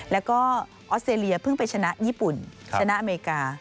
แล้วก็ออสเตรเลียเพิ่งไปชนะญี่ปุ่นชนะอเมริกา